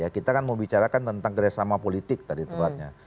kita kan membicarakan tentang kerjasama politik tadi tepatnya